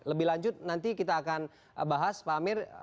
lebih lanjut nanti kita akan bahas pak amir